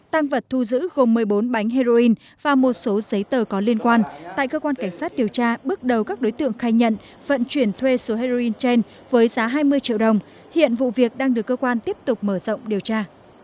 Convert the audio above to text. tăng vật thu giữ gồm một mươi bốn bánh heroin và một số giấy tờ có liên quan tại cơ quan cảnh sát điều tra bước đầu các đối tượng khai nhận vận chuyển thuê số heroin trên với giá hai mươi triệu đồng hiện vụ việc đang được cơ quan tiếp tục mở rộng điều tra